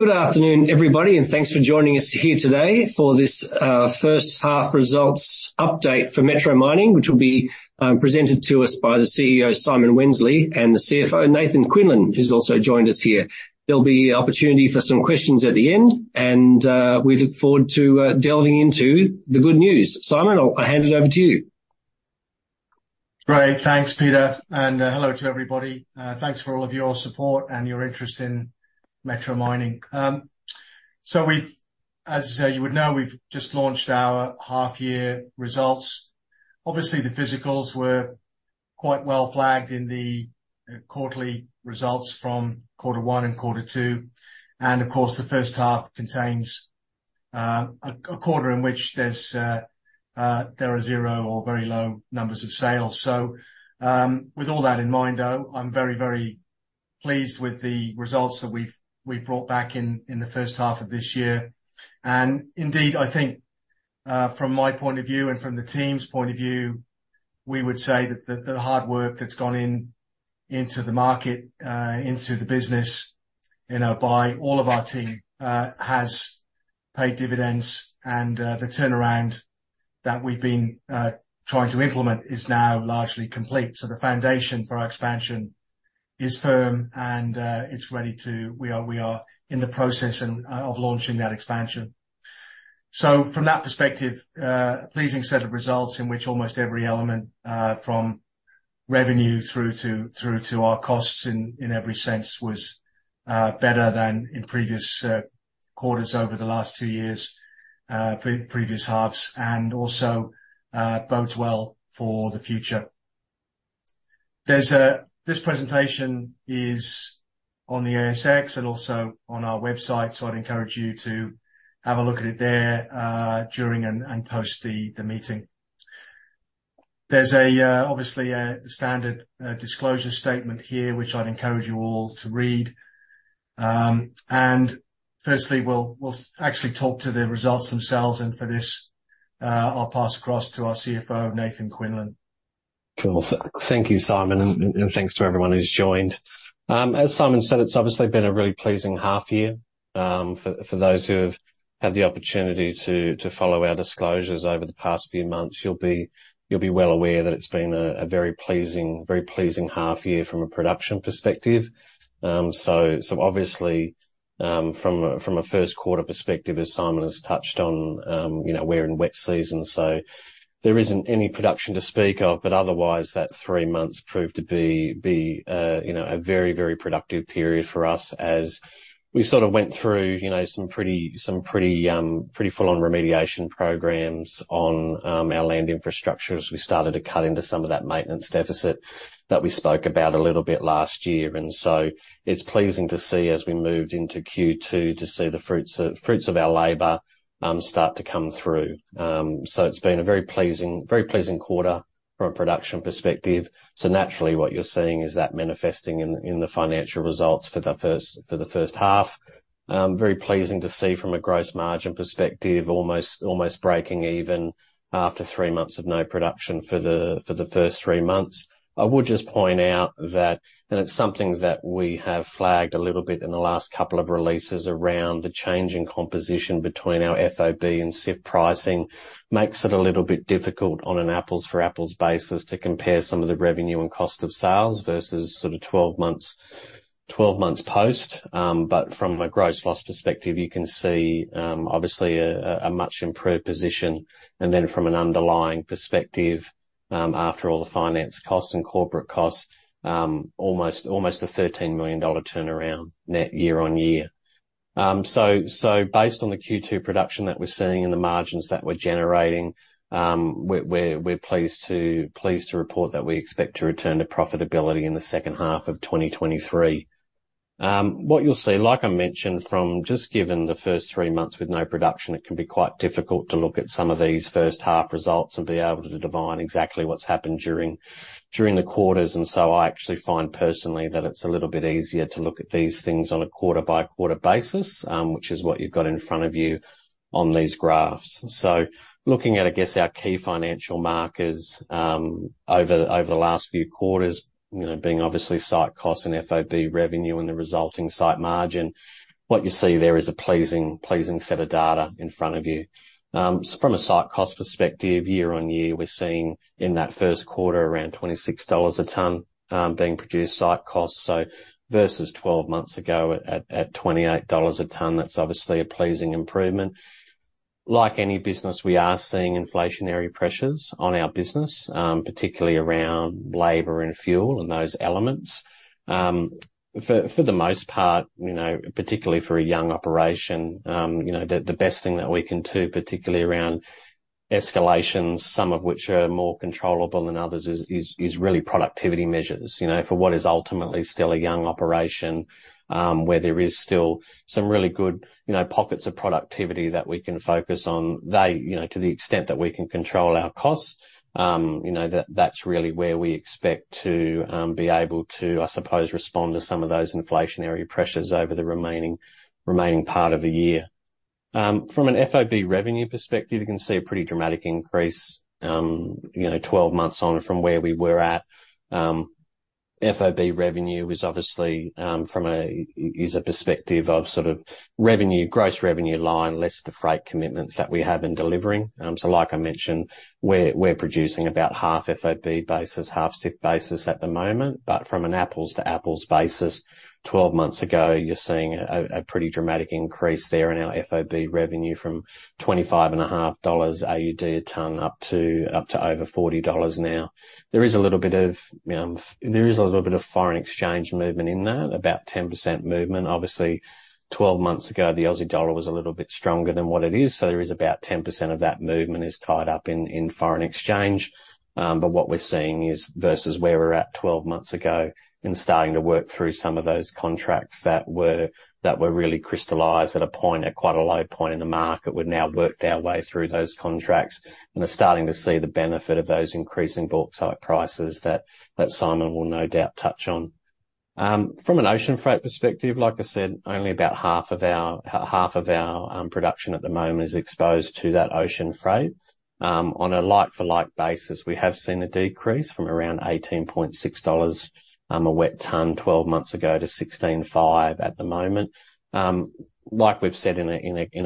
Good afternoon, everybody, and thanks for joining us here today for this first half results update for Metro Mining, which will be presented to us by the CEO, Simon Wensley, and the CFO, Nathan Quinlin, who's also joined us here. There'll be an opportunity for some questions at the end, and we look forward to delving into the good news. Simon, I'll hand it over to you. Great. Thanks, Peter, and hello to everybody. Thanks for all of your support and your interest in Metro Mining. So we've, as you would know, we've just launched our half year results. Obviously, the physicals were quite well flagged in the quarterly results from Q1 and Q2, and of course, the first half contains a quarter in which there are zero or very low numbers of sales. So, with all that in mind, though, I'm very, very pleased with the results that we've brought back in the first half of this year. Indeed, I think, from my point of view and from the team's point of view, we would say that the hard work that's gone in, into the market, into the business, you know, by all of our team, has paid dividends. The turnaround that we've been trying to implement is now largely complete. So the foundation for our expansion is firm and, it's ready to—we are in the process of launching that expansion. So from that perspective, a pleasing set of results in which almost every element, from revenue through to our costs in every sense, was better than in previous quarters over the last two years, previous halves, and also bodes well for the future. This presentation is on the ASX and also on our website, so I'd encourage you to have a look at it there during and post the meeting. There's obviously a standard disclosure statement here, which I'd encourage you all to read. And firstly, we'll actually talk to the results themselves, and for this, I'll pass across to our CFO, Nathan Quinlin. Cool. Thank you, Simon, and thanks to everyone who's joined. As Simon said, it's obviously been a really pleasing half year. For those who have had the opportunity to follow our disclosures over the past few months, you'll be well aware that it's been a very pleasing half year from a production perspective. So obviously, from a Q1 perspective, as Simon has touched on, you know, we're in wet season, so there isn't any production to speak of. But otherwise, that three months proved to be you know a very very productive period for us as we sort of went through you know some pretty full-on remediation programs on our land infrastructure, as we started to cut into some of that maintenance deficit that we spoke about a little bit last year. And so it's pleasing to see as we moved into Q2 to see the fruits of our labor start to come through. So it's been a very pleasing quarter from a production perspective. So naturally what you're seeing is that manifesting in the financial results for the first half. Very pleasing to see from a gross margin perspective almost breaking even after three months of no production for the first three months. I would just point out that, and it's something that we have flagged a little bit in the last couple of releases around the changing composition between our FOB and CIF pricing. Makes it a little bit difficult on an apples-for-apples basis, to compare some of the revenue and cost of sales versus sort of 12 months, 12 months post. But from a gross loss perspective, you can see, obviously a much improved position. And then from an underlying perspective, after all the finance costs and corporate costs, almost a 13 million dollar turnaround net year-on-year. So based on the Q2 production that we're seeing and the margins that we're generating, we're pleased to report that we expect to return to profitability in the second half of 2023. What you'll see, like I mentioned, from just given the first three months with no production, it can be quite difficult to look at some of these first half results and be able to divine exactly what's happened during the quarters. And so I actually find personally that it's a little bit easier to look at these things on a quarter-by-quarter basis, which is what you've got in front of you on these graphs. So looking at, I guess, our key financial markers over the last few quarters, you know, being obviously site costs and FOB revenue and the resulting site margin. What you see there is a pleasing set of data in front of you. From a site cost perspective, year on year, we're seeing in that Q1 around 26 dollars a ton being produced site cost, so versus 12 months ago at 28 dollars a ton. That's obviously a pleasing improvement. Like any business, we are seeing inflationary pressures on our business, particularly around labor and fuel and those elements. For the most part, you know, particularly for a young operation, you know, the best thing that we can do, particularly around escalations, some of which are more controllable than others, is really productivity measures. You know, for what is ultimately still a young operation, where there is still some really good, you know, pockets of productivity that we can focus on. They, you know, to the extent that we can control our costs, you know, that's really where we expect to be able to, I suppose, respond to some of those inflationary pressures over the remaining part of the year. From an FOB revenue perspective, you can see a pretty dramatic increase, you know, 12 months on from where we were at. FOB revenue is obviously from a perspective of sort of revenue, gross revenue line, less the freight commitments that we have in delivering. So like I mentioned, we're producing about half FOB basis, half CIF basis at the moment, but from an apples-to-apples basis, 12 months ago, you're seeing a pretty dramatic increase there in our FOB revenue from 25.5 AUD a ton up to over 40 dollars a ton now. There is a little bit of, there is a little bit of foreign exchange movement in that, about 10% movement. Obviously, 12 months ago, the Aussie dollar was a little bit stronger than what it is, so there is about 10% of that movement is tied up in, in foreign exchange. But what we're seeing is, versus where we're at 12 months ago, and starting to work through some of those contracts that were really crystallized at a point, at quite a low point in the market. We've now worked our way through those contracts and are starting to see the benefit of those increasing bauxite prices that Simon will no doubt touch on. From an ocean freight perspective, like I said, only about half of our production at the moment is exposed to that ocean freight. On a like-for-like basis, we have seen a decrease from around $18.6 a wet ton 12 months ago, to $16.5 at the moment. Like we've said in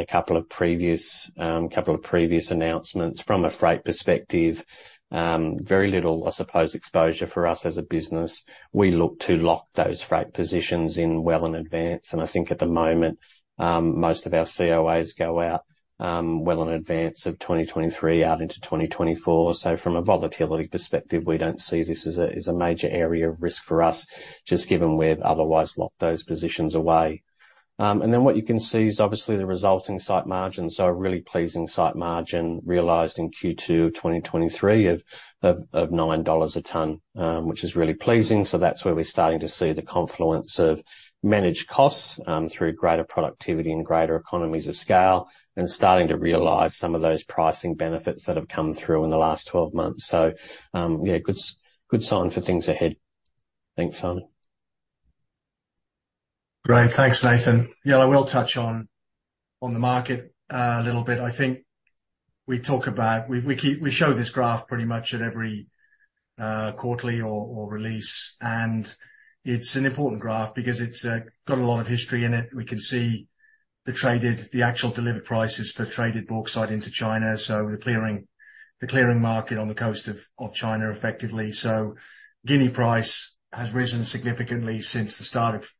a couple of previous announcements, from a freight perspective, very little, I suppose, exposure for us as a business. We look to lock those freight positions in well in advance, and I think at the moment, most of our COAs go out well in advance of 2023, out into 2024. So from a volatility perspective, we don't see this as a major area of risk for us, just given we've otherwise locked those positions away. And then what you can see is obviously the resulting site margins. So a really pleasing site margin realized in Q2 of 2023 of $9 a ton, which is really pleasing. So that's where we're starting to see the confluence of managed costs, through greater productivity and greater economies of scale, and starting to realize some of those pricing benefits that have come through in the last 12 months. So, yeah, good sign for things ahead. Thanks, Simon. Great. Thanks, Nathan. Yeah, I will touch on the market a little bit. I think we talk about. We keep showing this graph pretty much at every quarterly or release, and it's an important graph because it's got a lot of history in it. We can see the traded, the actual delivered prices for traded bauxite into China, so the clearing market on the coast of China, effectively. So Guinea price has risen significantly since the start of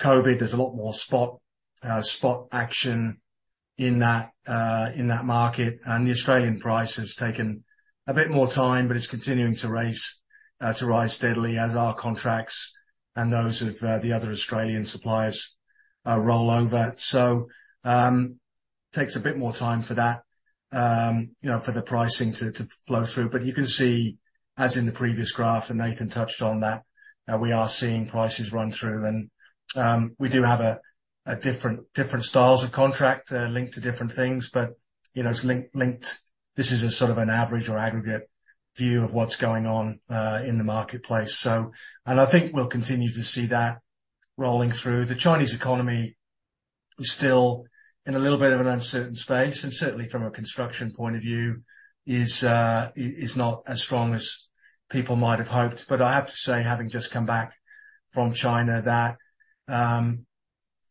Covid. There's a lot more spot action in that market, and the Australian price has taken a bit more time, but it's continuing to rise steadily as our contracts and those of the other Australian suppliers roll over. So, takes a bit more time for that, you know, for the pricing to flow through. But you can see, as in the previous graph, and Nathan touched on that, we are seeing prices run through and, we do have different styles of contract, linked to different things, but, you know, it's linked. This is a sort of an average or aggregate view of what's going on in the marketplace, so. And I think we'll continue to see that rolling through. The Chinese economy is still in a little bit of an uncertain space, and certainly from a construction point of view, is not as strong as people might have hoped. But I have to say, having just come back from China, that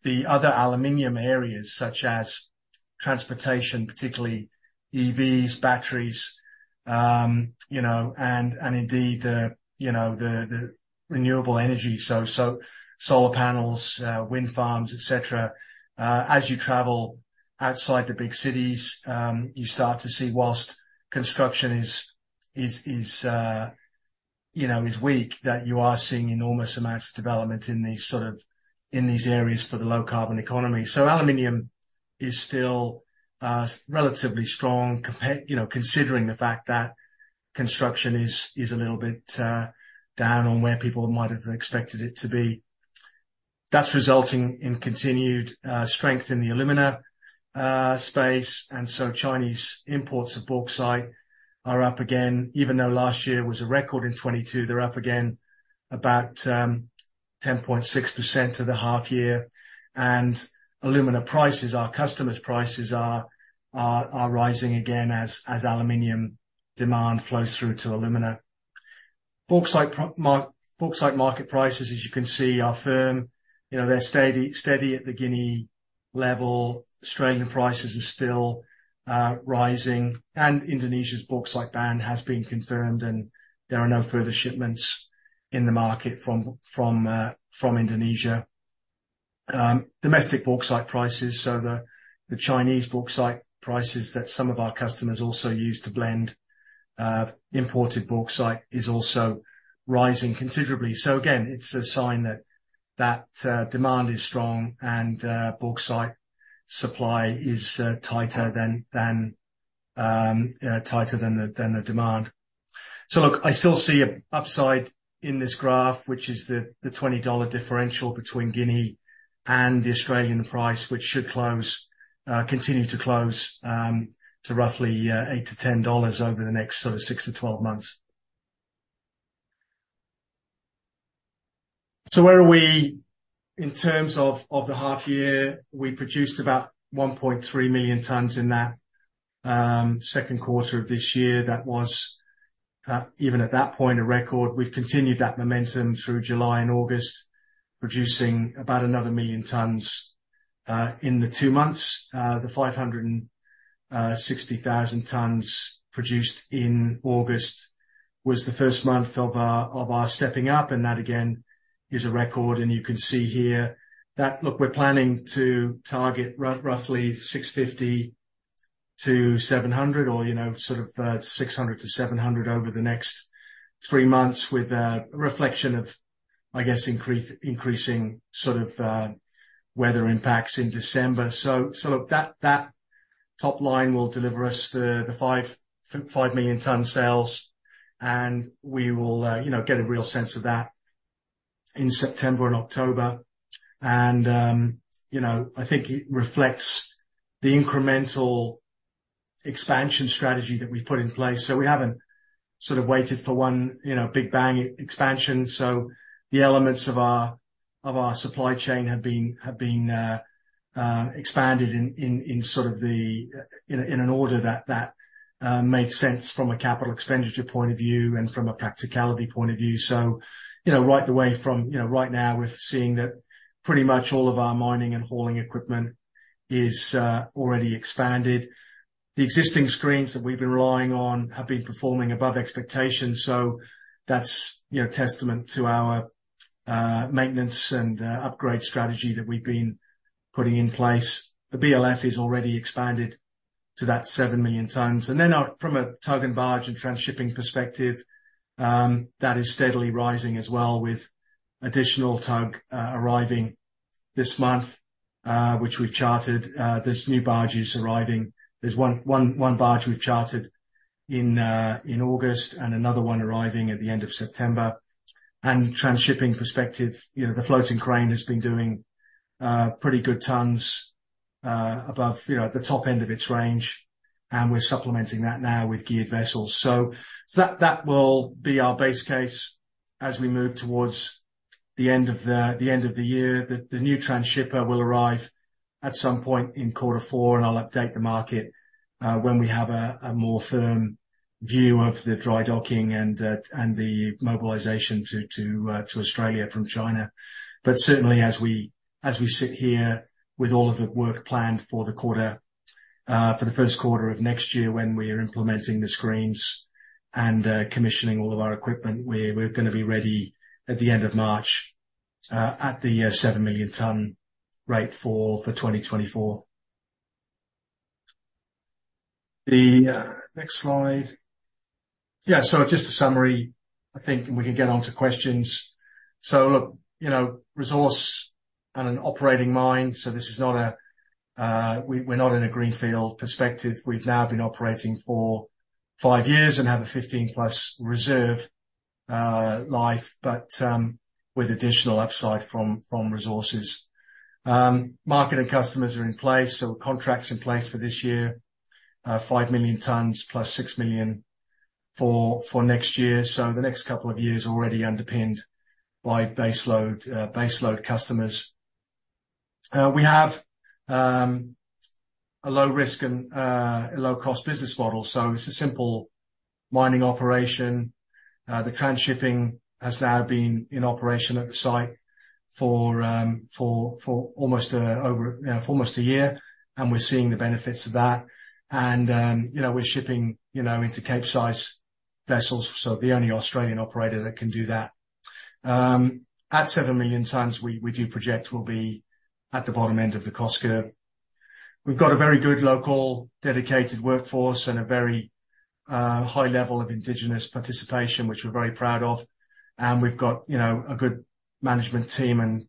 the other aluminum areas, such as transportation, particularly EVs, batteries, you know, and indeed the, you know, the renewable energy, so solar panels, wind farms, et cetera. As you travel outside the big cities, you start to see whilst construction is weak, that you are seeing enormous amounts of development in these sort of, in these areas for the low carbon economy. So aluminum is still relatively strong compare, you know, considering the fact that construction is a little bit down on where people might have expected it to be. That's resulting in continued strength in the alumina space. And so Chinese imports of bauxite are up again. Even though last year was a record in 2022, they're up again about 10.6% to the half year. And alumina prices, our customers' prices are rising again as aluminum demand flows through to alumina. Bauxite market prices, as you can see, are firm. You know, they're steady at the Guinea level. Australian prices are still rising, and Indonesia's bauxite ban has been confirmed, and there are no further shipments in the market from Indonesia. Domestic bauxite prices, so the Chinese bauxite prices that some of our customers also use to blend imported bauxite is also rising considerably. So again, it's a sign that demand is strong and bauxite supply is tighter than the demand. So look, I still see an upside in this graph, which is the $20 differential between Guinea and the Australian price, which should close, continue to close, to roughly $8-$10 over the next sort of 6-12 months. So where are we in terms of the half year? We produced about 1.3 million tons in that Q2 of this year. That was even at that point, a record. We've continued that momentum through July and August, producing about another 1 million tons in the two months. The 560,000 tons produced in August was the first month of our stepping up, and that again is a record. You can see here that, look, we're planning to target roughly 650-700 or, you know, sort of, 600-700 over the next three months, with a reflection of, I guess, increasing sort of, weather impacts in December. So look, that top line will deliver us the 5.5 million ton sales, and we will, you know, get a real sense of that in September and October. And you know, I think it reflects the incremental expansion strategy that we've put in place. So we haven't sort of waited for one, you know, big bang expansion. So the elements of our supply chain have been expanded in sort of an order that makes sense from a capital expenditure point of view and from a practicality point of view. So, you know, right the way from, you know, right now, we're seeing that pretty much all of our mining and hauling equipment is already expanded. The existing screens that we've been relying on have been performing above expectations, so that's, you know, testament to our maintenance and upgrade strategy that we've been putting in place. The BLF is already expanded to that 7 million tons, and then from a tug and barge and transhipping perspective, that is steadily rising as well, with additional tug arriving this month, which we've chartered. There's new barges arriving. There's one barge we've chartered in August, and another one arriving at the end of September. Transshipping perspective, you know, the floating crane has been doing pretty good tons, above, you know, at the top end of its range, and we're supplementing that now with geared vessels. So that will be our base case as we move towards the end of the year. The new transshipper will arrive at some point in Q4, and I'll update the market when we have a more firm view of the dry docking and the mobilization to Australia from China. But certainly as we sit here with all of the work planned for the quarter, for the Q1 of next year, when we are implementing the screens and commissioning all of our equipment, we're gonna be ready at the end of March, at the 7 million ton rate for 2024. The next slide. Yeah, so just a summary, I think, and we can get on to questions. So look, you know, resource and an operating mine, so this is not a, we're not in a greenfield perspective. We've now been operating for 5 years and have a 15+ reserve life, but with additional upside from resources. Market and customers are in place, so contracts in place for this year, 5 million tons plus 6 million for next year. So the next couple of years already underpinned by baseload customers. We have a low risk and a low-cost business model, so it's a simple mining operation. The transshipping has now been in operation at the site for almost a year, and we're seeing the benefits of that. And, you know, we're shipping, you know, into Capesize vessels, so the only Australian operator that can do that. At 7 million tons, we project we'll be at the bottom end of the cost curve. We've got a very good local, dedicated workforce and a very high level of indigenous participation, which we're very proud of, and we've got, you know, a good management team and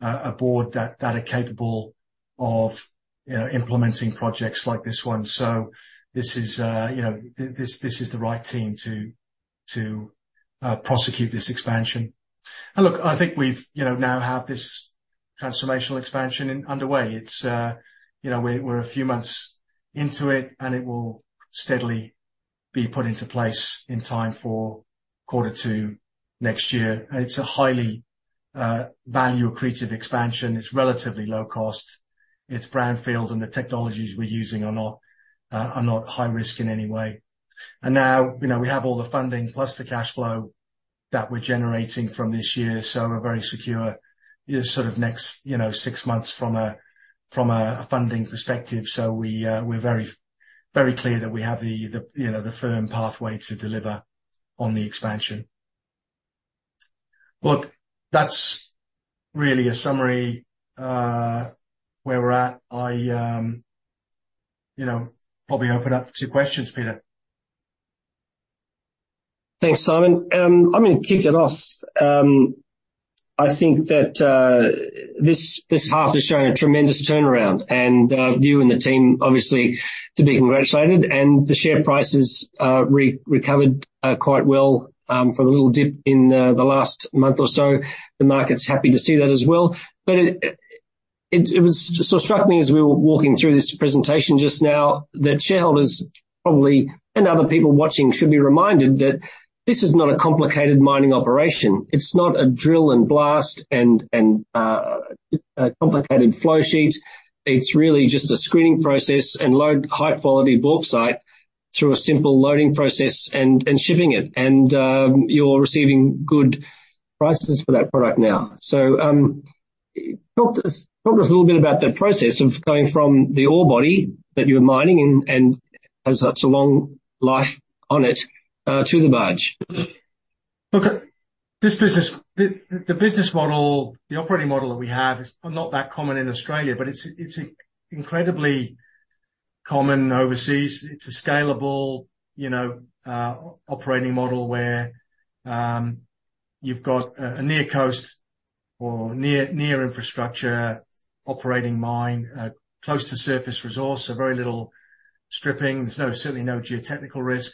a board that are capable of, you know, implementing projects like this one. So this is, you know, the right team to prosecute this expansion. Look, I think we've, you know, now have this transformational expansion underway. It's, you know, we're a few months into it, and it will steadily be put into place in time for Q2 next year. It's a highly value-accretive expansion. It's relatively low cost, it's brownfield, and the technologies we're using are not high risk in any way. Now, you know, we have all the funding plus the cash flow that we're generating from this year, so we're very secure, you know, sort of next, you know, six months from a funding perspective. So we're very, very clear that we have the, you know, the firm pathway to deliver on the expansion. Look, that's really a summary where we're at. I, you know, probably open up to questions, Peter. Thanks, Simon. I'm gonna kick it off. I think that this half has shown a tremendous turnaround, and you and the team obviously to be congratulated, and the share prices recovered quite well for a little dip in the last month or so. The market's happy to see that as well. But it struck me as we were walking through this presentation just now, that shareholders probably, and other people watching, should be reminded that this is not a complicated mining operation. It's not a drill and blast and a complicated flow sheet. It's really just a screening process and load high quality bauxite through a simple loading process and shipping it, and you're receiving good prices for that product now. So, talk to us, talk to us a little bit about the process of going from the ore body that you're mining and as that's a long life on it, to the barge. Look, this business, the business model, the operating model that we have is not that common in Australia, but it's incredibly common overseas. It's a scalable, you know, operating model where you've got a near coast or near infrastructure operating mine, close to surface resource, so very little stripping. There's no, certainly no geotechnical risk.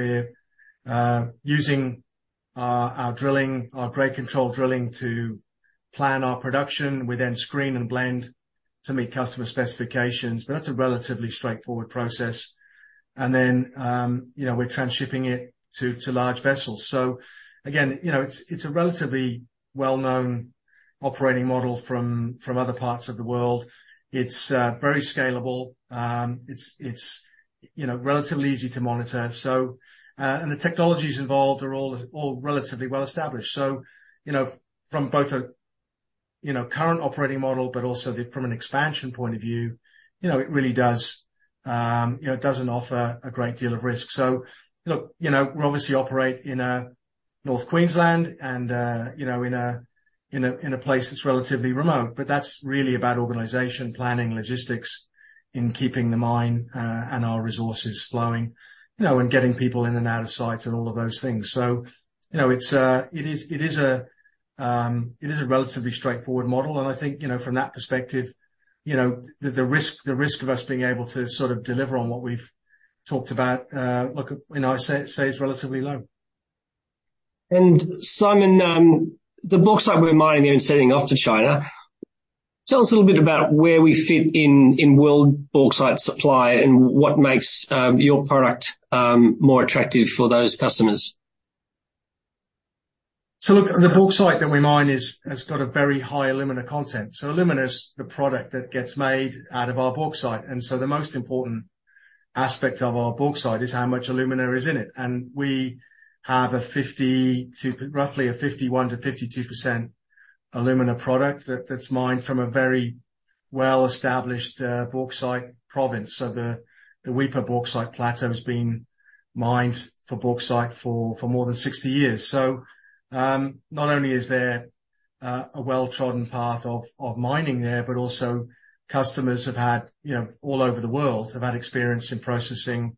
We're using our drilling, our grade control drilling, to plan our production. We then screen and blend to meet customer specifications, but that's a relatively straightforward process. And then, you know, we're transshipping it to large vessels. So again, you know, it's a relatively well-known operating model from other parts of the world. It's very scalable. It's, you know, relatively easy to monitor. So, and the technologies involved are all relatively well established. So, you know, from both a current operating model, but also from an expansion point of view, you know, it really does, you know, doesn't offer a great deal of risk. So look, you know, we obviously operate in North Queensland and, you know, in a place that's relatively remote, but that's really about organization, planning, logistics, in keeping the mine and our resources flowing. You know, and getting people in and out of sites and all of those things. So, you know, it's a. It is a relatively straightforward model and I think, you know, from that perspective, you know, the risk of us being able to sort of deliver on what we've talked about, you know, is relatively low. Simon, the bauxite we're mining and sending off to China, tell us a little bit about where we fit in, in world bauxite supply and what makes your product more attractive for those customers? So look, the bauxite that we mine is, has got a very high alumina content. So alumina is the product that gets made out of our bauxite, and so the most important aspect of our bauxite is how much alumina is in it. And we have a Roughly a 51%-52% alumina product that's mined from a very well-established bauxite province. So the Weipa Bauxite Plateau has been mined for bauxite for more than 60 years. So, not only is there a well-trodden path of mining there, but also customers have had, you know, all over the world, have had experience in processing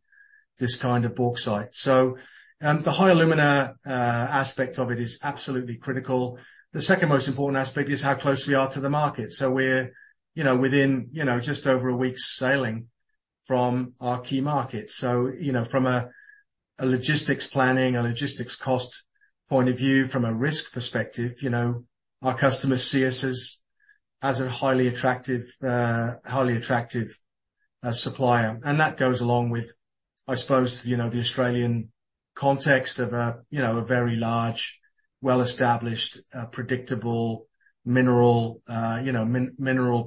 this kind of bauxite. So, the high alumina aspect of it is absolutely critical. The second most important aspect is how close we are to the market. So we're, you know, within just over a week's sailing from our key market. So, you know, from a logistics planning, logistics cost point of view, from a risk perspective, you know, our customers see us as a highly attractive supplier. And that goes along with, I suppose, you know, the Australian context of a very large, well-established, predictable mineral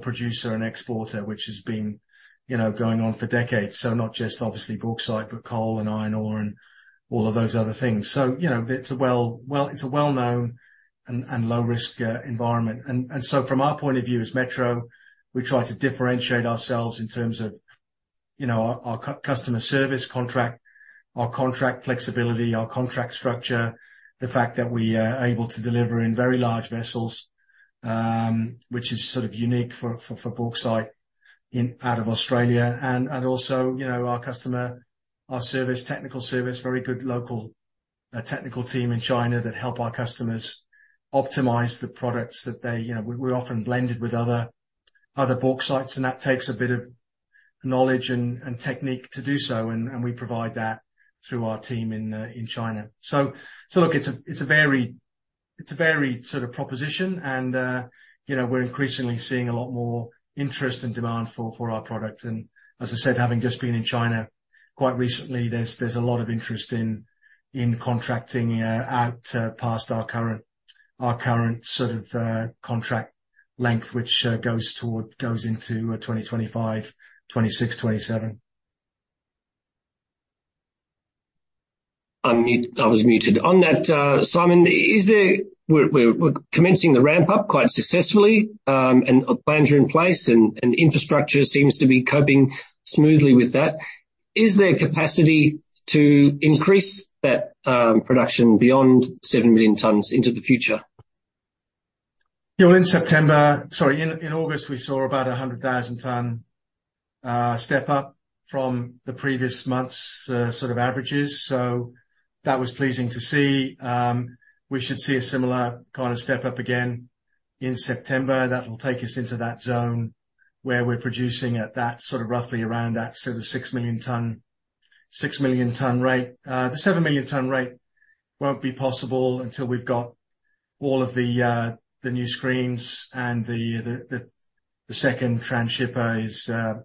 producer and exporter, which has been going on for decades. So not just obviously bauxite, but coal and iron ore and all of those other things. So, you know, it's a well-known and low risk environment. From our point of view as Metro, we try to differentiate ourselves in terms of, you know, our customer service contract, our contract flexibility, our contract structure, the fact that we are able to deliver in very large vessels, which is sort of unique for bauxite out of Australia. And also, you know, our customer service, technical service, very good local technical team in China that helps our customers optimize the products that they, you know, we're often blended with other bauxites, and that takes a bit of knowledge and technique to do so, and we provide that through our team in China. So look, it's a varied sort of proposition and, you know, we're increasingly seeing a lot more interest and demand for our product. As I said, having just been in China quite recently, there's a lot of interest in contracting out past our current sort of contract length, which goes into 2025, 2026, 2027. I'm mute. I was muted. On that, Simon, is there. We're commencing the ramp up quite successfully, and plans are in place and infrastructure seems to be coping smoothly with that. Is there capacity to increase that production beyond 7 million tons into the future? Well, in August, we saw about 100,000 ton step up from the previous month's sort of averages. So that was pleasing to see. We should see a similar kind of step up again in September. That'll take us into that zone where we're producing at that, sort of roughly around that sort of 6 million ton rate. The 7 million ton rate won't be possible until we've got all of the new screens and the second transhipper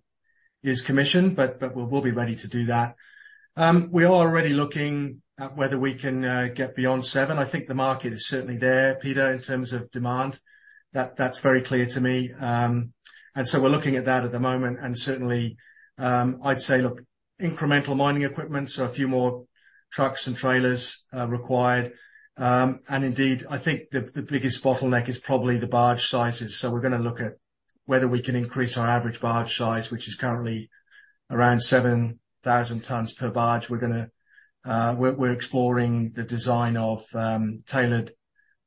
is commissioned, but we'll be ready to do that. We are already looking at whether we can get beyond seven. I think the market is certainly there, Peter, in terms of demand. That, that's very clear to me, and so we're looking at that at the moment, and certainly, I'd say, look, incremental mining equipment, so a few more trucks and trailers, required. And indeed, I think the biggest bottleneck is probably the barge sizes. So we're gonna look at whether we can increase our average barge size, which is currently around 7,000 tons per barge. We're gonna, we're exploring the design of, tailored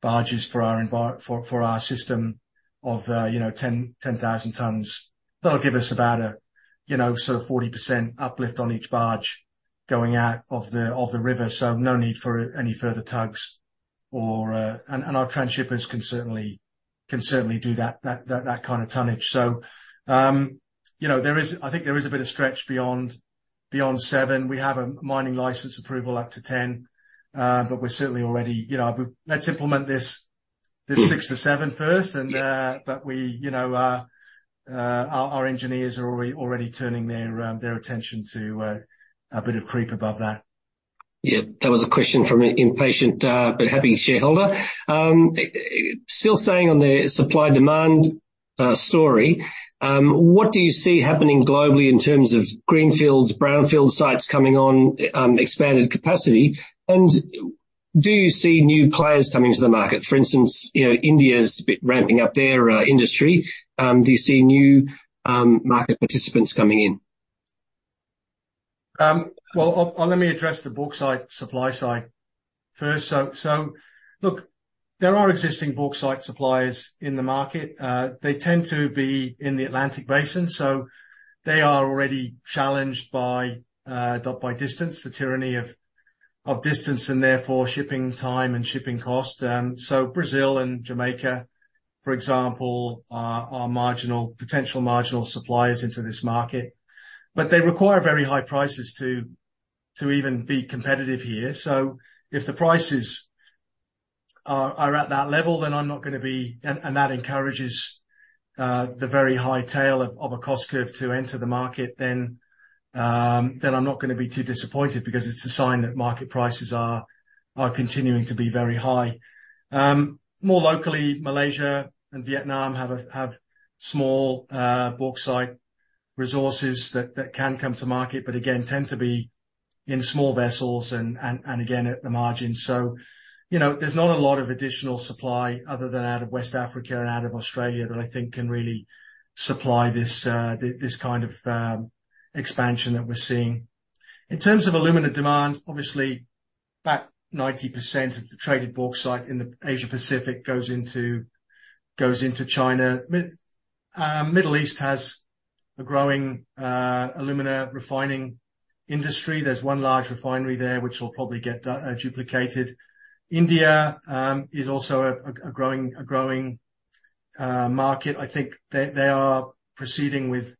barges for our system of, you know, 10,000 tons. That'll give us about a, you know, so 40% uplift on each barge going out of the river, so no need for any further tugs or, and our transshippers can certainly do that kind of tonnage. So, you know, I think there is a bit of stretch beyond seven. We have a mining license approval up to 10, but we're certainly already. You know, but let's implement this six to seven first and. Yeah. But we, you know, our engineers are already turning their attention to a bit of creep above that. Yeah, that was a question from an impatient, but happy shareholder. Still staying on the supply-demand story, what do you see happening globally in terms of greenfields, brownfield sites coming on, expanded capacity? And do you see new players coming to the market? For instance, you know, India's a bit ramping up their industry. Do you see new market participants coming in? Well, let me address the bauxite supply side first. So look, there are existing bauxite suppliers in the market. They tend to be in the Atlantic basin, so they are already challenged by distance, the tyranny of distance, and therefore shipping time and shipping cost. So Brazil and Jamaica, for example, are marginal, potential marginal suppliers into this market, but they require very high prices to even be competitive here. So if the prices are at that level, then I'm not gonna be. And that encourages the very high tail of a cost curve to enter the market, then then I'm not gonna be too disappointed because it's a sign that market prices are continuing to be very high. More locally, Malaysia and Vietnam have small bauxite resources that can come to market, but again, tend to be in small vessels and again, at the margin. So, you know, there's not a lot of additional supply other than out of West Africa and out of Australia that I think can really supply this kind of expansion that we're seeing. In terms of alumina demand, obviously, about 90% of the traded bauxite in the Asia Pacific goes into China. Middle East has a growing alumina refining industry. There's one large refinery there, which will probably get duplicated. India is also a growing market. I think they are proceeding with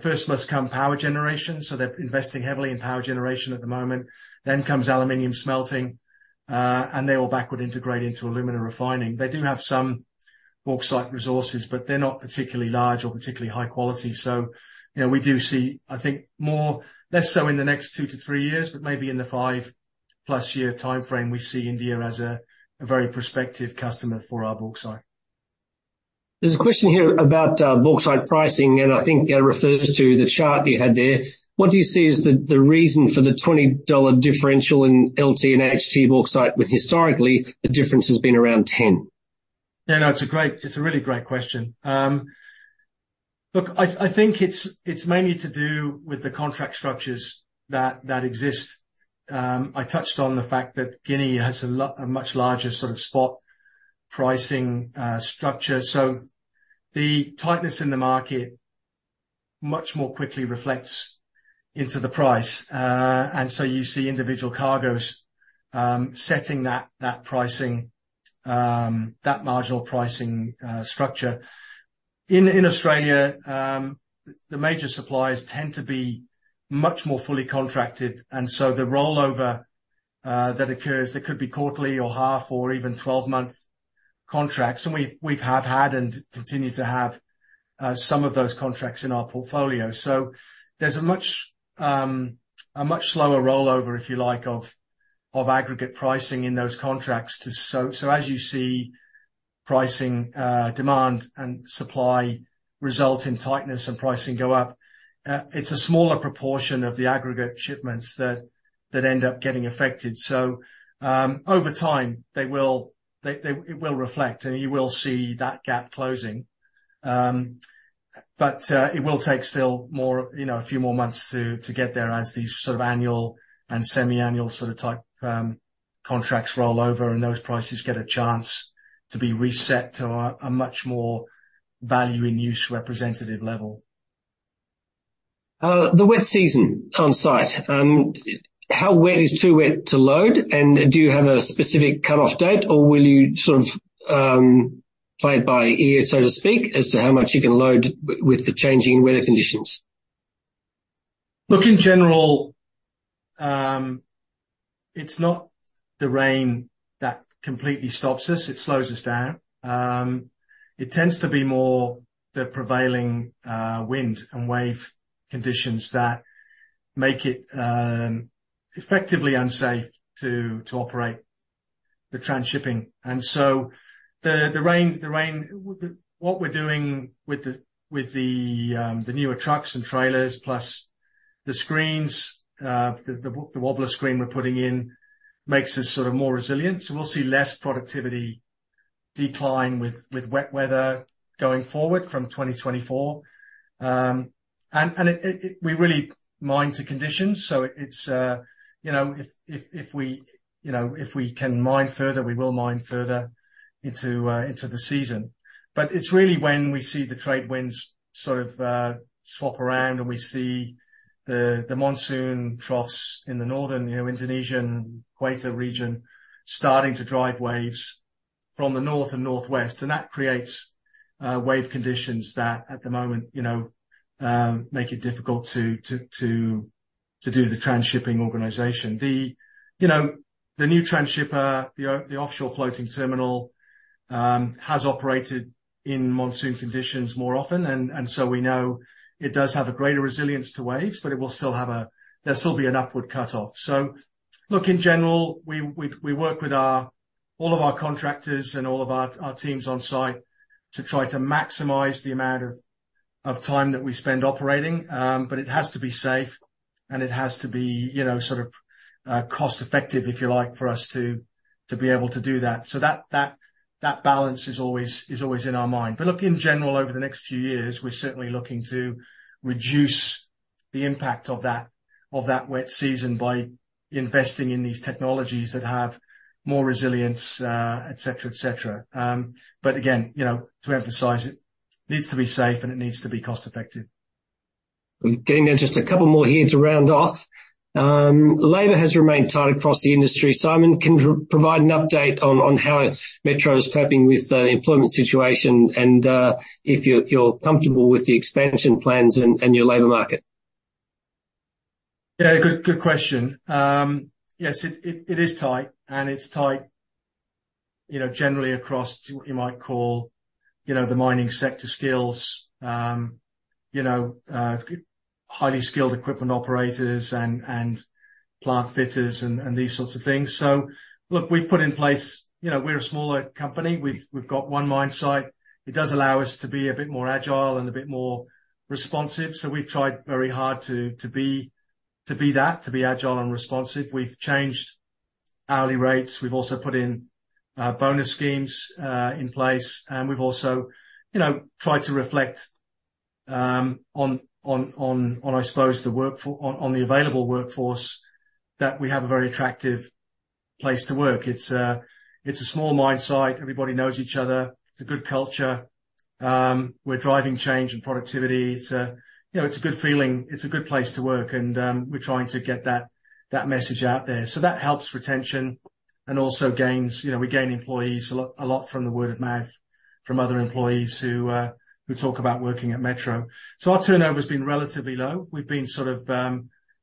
first must come power generation, so they're investing heavily in power generation at the moment. Then comes aluminum smelting, and they will backward integrate into alumina refining. They do have some bauxite resources, but they're not particularly large or particularly high quality. So, you know, we do see, I think, more, less so in the next two to three years, but maybe in the five plus year timeframe, we see India as a very prospective customer for our bauxite. There's a question here about bauxite pricing, and I think it refers to the chart you had there. What do you see as the reason for the 20 dollar differential in LT and HT bauxite, when historically the difference has been around 10? Yeah, no, it's a great, it's a really great question. Look, I think it's mainly to do with the contract structures that exist. I touched on the fact that Guinea has a much larger sort of spot pricing structure. So the tightness in the market much more quickly reflects into the price, and so you see individual cargoes setting that pricing, that marginal pricing structure. In Australia, the major suppliers tend to be much more fully contracted, and so the rollover that occurs, that could be quarterly or half or even 12-month contracts, and we have had and continue to have some of those contracts in our portfolio. So there's a much slower rollover, if you like, of aggregate pricing in those contracts to. So as you see pricing, demand and supply result in tightness and pricing go up, it's a smaller proportion of the aggregate shipments that end up getting affected. So over time, it will reflect, and you will see that gap closing. But it will take still more, you know, a few more months to get there as these sort of annual and semi-annual sort of type contracts roll over and those prices get a chance to be reset to a much more value in use representative level. The wet season on site, how wet is too wet to load? And do you have a specific cut-off date, or will you sort of played by ear, so to speak, as to how much you can load with the changing weather conditions? Look, in general, it's not the rain that completely stops us, it slows us down. It tends to be more the prevailing wind and wave conditions that make it effectively unsafe to operate the transhipping. And so the rain, what we're doing with the newer trucks and trailers, plus the screens, the wobbler screen we're putting in, makes us sort of more resilient. So we'll see less productivity decline with wet weather going forward from 2024. And it, we really mind the conditions, so it's, you know, if we can mine further, we will mine further into the season. But it's really when we see the trade winds sort of swap around and we see the monsoon troughs in the northern, you know, Indonesian equator region starting to drive waves from the north and northwest. And that creates wave conditions that at the moment, you know, make it difficult to do the transhipping operations. You know, the new transhipper, the offshore floating terminal, has operated in monsoon conditions more often, and so we know it does have a greater resilience to waves, but it will still have a-there'll still be an upward cutoff. So look, in general, we work with all of our contractors and all of our teams on site to try to maximize the amount of time that we spend operating. But it has to be safe, and it has to be, you know, sort of, cost-effective, if you like, for us to, to be able to do that. So that, that, that balance is always, is always in our mind. But look, in general, over the next few years, we're certainly looking to reduce the impact of that, of that wet season by investing in these technologies that have more resilience, et cetera, et cetera. But again, you know, to emphasize, it needs to be safe and it needs to be cost-effective. We're getting there. Just a couple more here to round off. Labor has remained tight across the industry. Simon, can you provide an update on how Metro is coping with the employment situation, and if you're comfortable with the expansion plans and your labor market? Yeah, good question. Yes, it is tight, and it's tight, you know, generally across what you might call, you know, the mining sector skills. You know, highly skilled equipment operators and plant fitters and these sorts of things. So look, we've put in place. You know, we're a smaller company. We've got one mine site. It does allow us to be a bit more agile and a bit more responsive, so we've tried very hard to be that, to be agile and responsive. We've changed hourly rates. We've also put in bonus schemes in place, and we've also, you know, tried to reflect on, I suppose, the available workforce, that we have a very attractive place to work. It's a small mine site. Everybody knows each other. It's a good culture. We're driving change and productivity. It's, you know, it's a good feeling. It's a good place to work, and, we're trying to get that, that message out there. So that helps retention and also gains, you know, we gain employees a lot, a lot from the word of mouth, from other employees who, who talk about working at Metro. So our turnover's been relatively low. We've been sort of,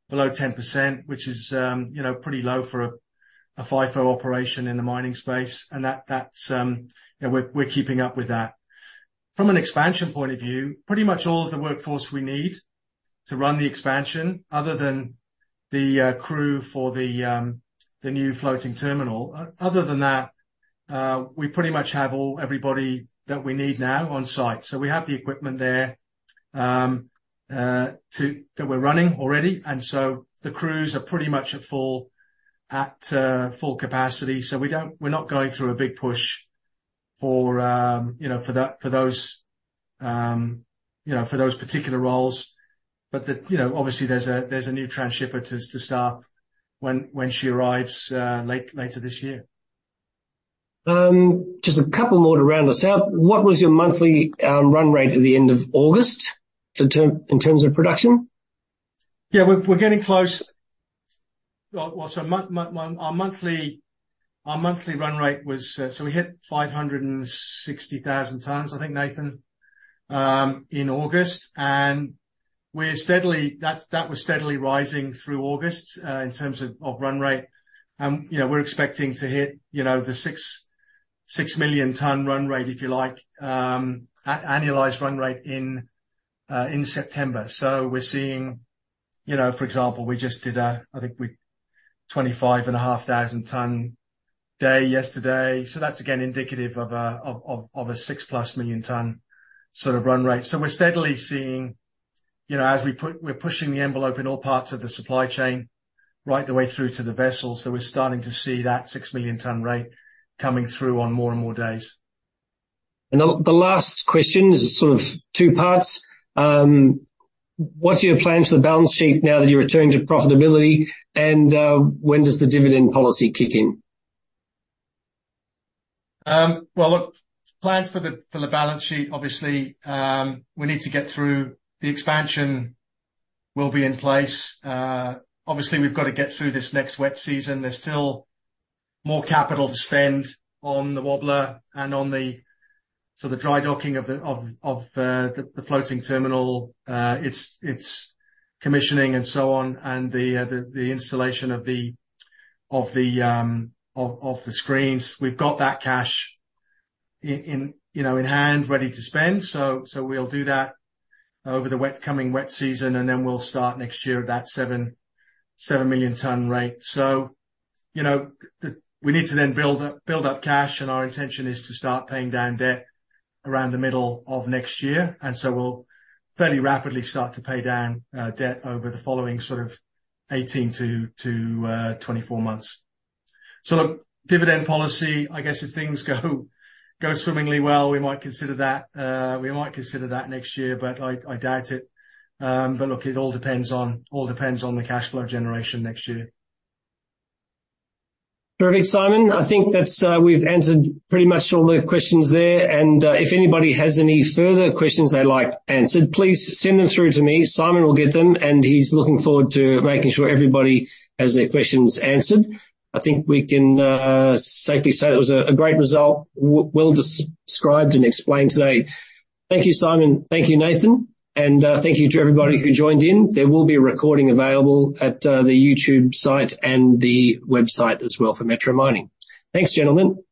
below 10%, which is, you know, pretty low for a, a FIFO operation in the mining space, and that, that's, you know, we're, we're keeping up with that. From an expansion point of view, pretty much all of the workforce we need to run the expansion, other than the crew for the new floating terminal, other than that, we pretty much have all, everybody that we need now on site. So we have the equipment there, that we're running already, and so the crews are pretty much at full capacity. So we're not going through a big push for, you know, for those particular roles. But obviously there's a new transhipper to staff when she arrives later this year. Just a couple more to round us out. What was your monthly run rate at the end of August, in terms of production? Yeah, we're getting close. Well, so our monthly run rate was, so we hit 560,000 tons, I think, Nathan, in August, and we're steadily—that was steadily rising through August, in terms of run rate. And, you know, we're expecting to hit, you know, the 6 million-ton run rate, if you like, annualized run rate in September. So we're seeing, you know, for example, we just did, I think, a 25,500 ton day yesterday, so that's again indicative of a 6+ million ton sort of run rate. So we're steadily seeing, you know, as we put—we're pushing the envelope in all parts of the supply chain, right the way through to the vessels. We're starting to see that 6 million ton rate coming through on more and more days. The last question is sort of two parts. What are your plans for the balance sheet now that you're returning to profitability, and when does the dividend policy kick in? Well, look, plans for the balance sheet, obviously, we need to get through, the expansion will be in place. Obviously, we've got to get through this next wet season. There's still more capital to spend on the wobbler and on the dry docking of the floating terminal, its commissioning and so on, and the installation of the screens. We've got that cash in hand, you know, ready to spend, so we'll do that over the coming wet season, and then we'll start next year at that 7 million tonne rate. You know, we need to then build up cash, and our intention is to start paying down debt around the middle of next year, and so we'll fairly rapidly start to pay down debt over the following sort of 18-24 months. So the dividend policy, I guess if things go swimmingly well, we might consider that next year, but I doubt it. But look, it all depends on the cash flow generation next year. Perfect, Simon. I think that's, we've answered pretty much all the questions there, and, if anybody has any further questions they'd like answered, please send them through to me. Simon will get them, and he's looking forward to making sure everybody has their questions answered. I think we can safely say it was a great result well described and explained today. Thank you, Simon. Thank you, Nathan, and thank you to everybody who joined in. There will be a recording available at the YouTube site and the website as well for Metro Mining. Thanks, gentlemen.